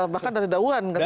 bahkan dari dauan katanya